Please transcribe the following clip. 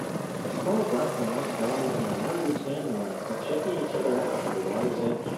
A small black and white dog and a larger tan one are checking each other out at the waters edge